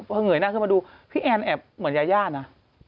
พอเงยหน้าขึ้นมาดูพี่แอนแอบเหมือนยาย่านะ